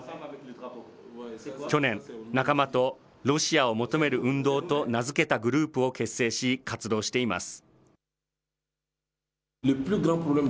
去年、仲間とロシアを求める運動と名付けたグループを結成し、活動しています。